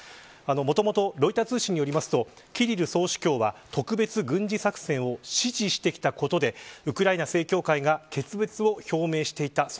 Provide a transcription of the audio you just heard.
もともと、ロイター通信によりますと、キリル総主教は特別軍事作戦を支持してきたことでウクライナ正教会が決別を表明していた。